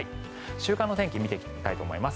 週間の天気見ていきたいと思います。